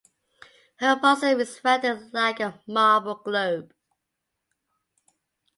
Her bosom is rounded like a marble globe.